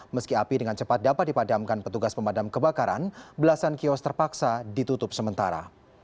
meski api dengan cepat dapat dipadamkan petugas pemadam kebakaran belasan kios terpaksa ditutup sementara